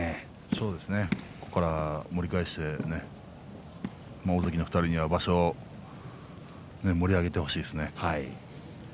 そうですね、ここから盛り返して大関の２人には場所を盛り上げてほしいですね。